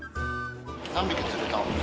何匹釣れたの？